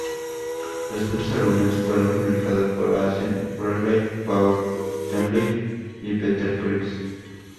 Los otros álbumes fueron publicados por Ace Frehley, Paul Stanley y Peter Criss.